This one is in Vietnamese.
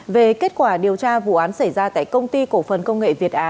về kết quả điều tra vụ án xảy ra tại công ty cổ phần công nghệ việt á